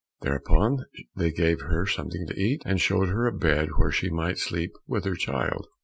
Thereupon they gave her something to eat, and showed her a bed where she might sleep with her child.